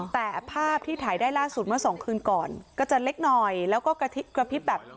แต่ภาพที่ถ่ายได้ล่าสุดเมื่อสองคืนก่อนก็จะเล็กหน่อยแล้วก็กระพริบแบบ